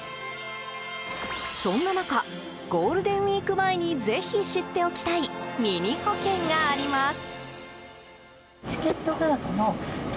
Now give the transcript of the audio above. そんな中ゴールデンウィーク前にぜひ知っておきたいミニ保険があります。